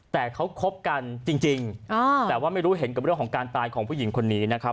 แต่เขาคบกันจริงแต่ว่าไม่รู้เห็นกับเรื่องของการตายของผู้หญิงคนนี้นะครับ